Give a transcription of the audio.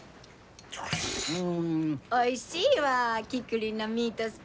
おいしいわあキクリンのミートスパ。